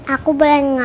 aku beleng apa gak